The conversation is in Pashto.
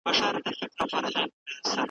زه پر وزر باندي ویشتلی زاڼی .